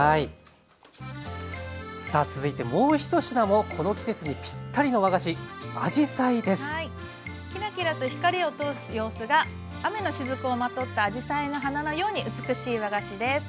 さあ続いてもう１品もこの季節にぴったりの和菓子キラキラと光を通す様子が雨の滴をまとったあじさいの花のように美しい和菓子です。